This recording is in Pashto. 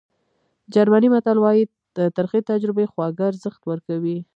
جرمني متل وایي ترخې تجربې خواږه ارزښت ورکوي.